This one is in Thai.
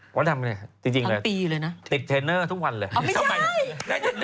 เขาทำอะไรจริงเลยนะติดเทรนเนอร์ทุกวันเลยทำไมน่าจะนึกหัวไง